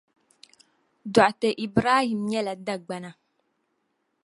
Dr. Ibrahim nyɛla Dagbana